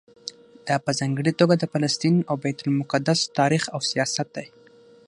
دا په ځانګړي توګه د فلسطین او بیت المقدس تاریخ او سیاست دی.